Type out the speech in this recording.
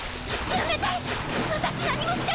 やめて！